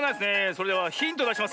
それではヒントだしますよ。